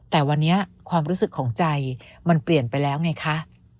แต่วันนี้ความรู้สึกของใจมันเปลี่ยนไปแล้วไงคะ